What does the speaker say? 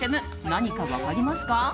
何か分かりますか？